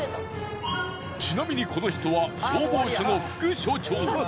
ちなみにこの人は消防署の副署長。